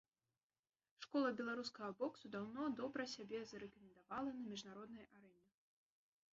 Школа беларускага боксу даўно добра сябе зарэкамендавала на міжнароднай арэне.